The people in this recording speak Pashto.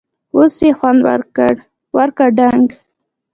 اوس یې خوند وکړ٬ ورکه ډنګ!